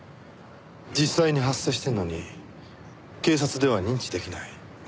実際に発生しているのに警察では認知出来ない事件の数。